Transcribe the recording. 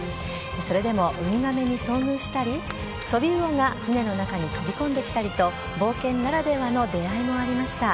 それでもウミガメに遭遇したり、トビウオが船の中に飛び込んできたりと、冒険ならではの出会いもありました。